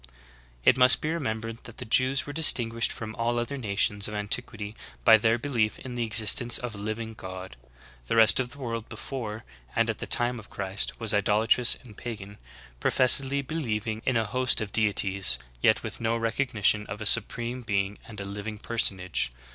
It must be remembered that the Jews were distinguished from all other nations of antiquity by their belief in the existence of a living God. The rest of the world before and at the time of Christ was idolatrous and pagan, professedly believ JUDAISTIC PERSECUTION. 57 ing in a host of deities, yet with no recognition of a Su preme Being as a living personage.